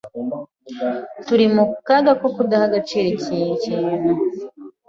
Turi mu kaga ko kudaha agaciro iki kintu,